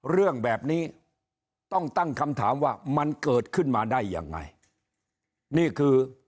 เรื่องแบบนี้ต้องตั้งคำถามว่ามันเกิดขึ้นมาได้ยังไงนี่คือ